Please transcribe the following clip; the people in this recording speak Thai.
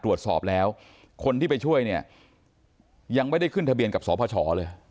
ตรวจสอบแล้วคนที่ไปช่วยเนี่ยยังไม่ได้ขึ้นทะเบียนกับสพชเลย